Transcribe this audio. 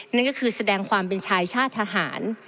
นั่นก็คือแสดงความเป็นชายชาติทหาร